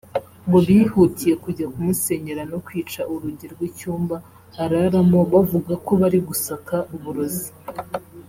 ngo bihutiye kujya kumusenyera no kwica urugi rw’icyumba araramo bavuga ko bari gusaka uburozi